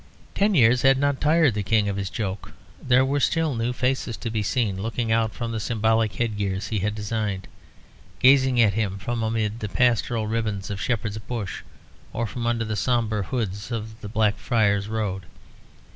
Ten years had not tired the King of his joke. There were still new faces to be seen looking out from the symbolic head gears he had designed, gazing at him from amid the pastoral ribbons of Shepherd's Bush or from under the sombre hoods of the Blackfriars Road.